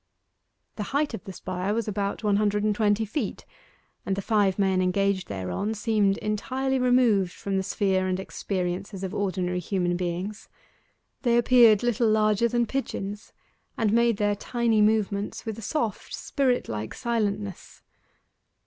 The height of the spire was about one hundred and twenty feet, and the five men engaged thereon seemed entirely removed from the sphere and experiences of ordinary human beings. They appeared little larger than pigeons, and made their tiny movements with a soft, spirit like silentness.